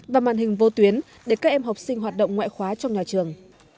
và màn hình vô tuyến để các em học sinh hoạt động ngoại khóa trong nhà trường